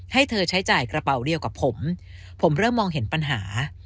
ให้เธอใช้จ่ายกระเป๋าเดียวกับผมผมเริ่มมองเห็นปัญหา